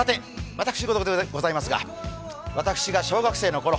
私ごとでございますが私が小学生のころ